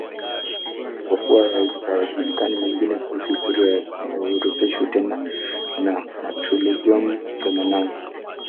Kwa kuwa hayajulikani mengine kuhusu historia yake, haorodheshwi tena na Martyrologium Romanum.